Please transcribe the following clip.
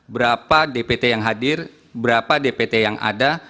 berapa dpt yang hadir berapa dpt yang ada